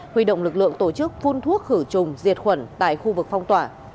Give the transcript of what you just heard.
huy động lực lượng tổ chức phun thuốc khử trùng diệt khuẩn tại khu vực phong tỏa